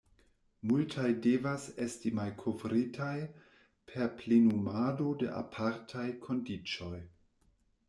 Multaj devas esti malkovritaj per plenumado de apartaj kondiĉoj.